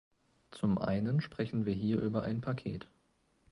Zum einen sprechen wir hier über ein Paket.